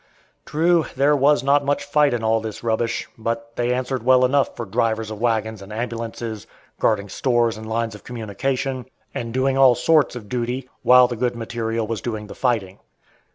True, there was not much fight in all this rubbish, but they answered well enough for drivers of wagons and ambulances, guarding stores and lines of communication, and doing all sorts of duty, while the good material was doing the fighting.